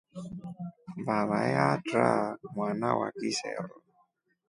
Vavae aatra mwana wa kisero.